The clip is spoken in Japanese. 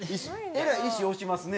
えらい石推しますね。